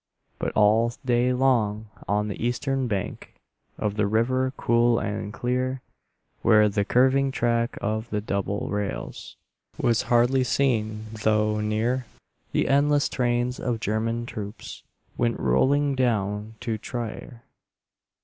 But all day long on the eastern bank Of the river cool and clear, Where the curving track of the double rails Was hardly seen though near, The endless trains of German troops Went rolling down to Trier.